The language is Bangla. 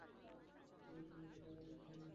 কেউ তোমাকে বাধা দিচ্ছে না।